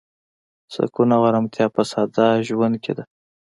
سکون او ارامتیا په ساده ژوند کې ده.